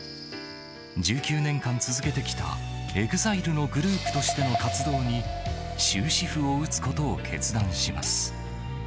１９年間続けてきたＥＸＩＬＥのグループとしての活動に終止符を打つことを決断します。